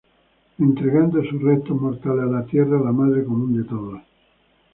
Entregando sus restos mortales a la Tierra, la madre común de todos.